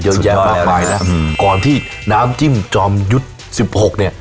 เยอะแยะมากมายนะอืมก่อนที่น้ำจิ้มจอมยุทธ์สิบหกเนี่ย